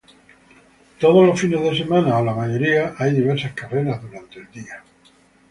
Todos los fines de semana, o la mayoría, hay diversas carreras durante el día.